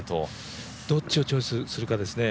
どっちをチョイスするかですね。